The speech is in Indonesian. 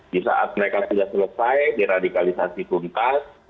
di saat mereka sudah selesai diradikalisasi tuntas